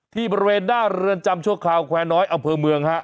บริเวณหน้าเรือนจำชั่วคราวแควร์น้อยอำเภอเมืองฮะ